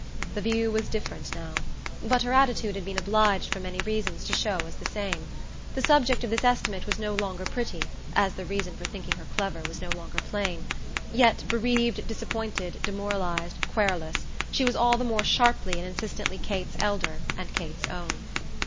The view was different now, but her attitude had been obliged, for many reasons, to show as the same. The subject of this estimate was no longer pretty, as the reason for thinking her clever was no longer plain; yet, bereaved, disappointed, demoralised, querulous, she was all the more sharply and insistently Kate's elder and Kate's own.